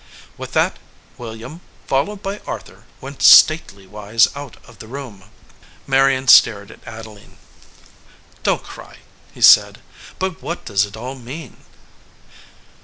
With that William, followed by Arthur, went stately wise out of the room. Marion stared at Adeline. "Don t cry," he said ; "but what does it all mean